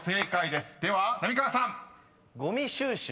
では浪川さん］